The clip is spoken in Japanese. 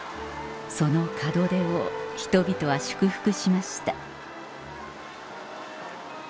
その門出を人々は祝福しました